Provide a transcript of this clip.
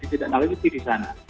dikita knaligi di sana